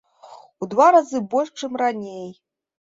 У два разы больш, чым раней!